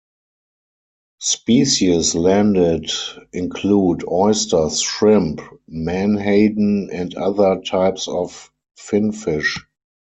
Species landed include oysters, shrimp, menhaden, and other types of fin fish.